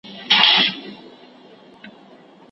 غرور